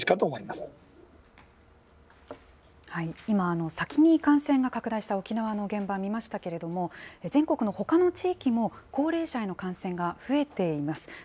今、先に感染が拡大した沖縄の現場、見ましたけれども、全国のほかの地域も高齢者への感染が増えています。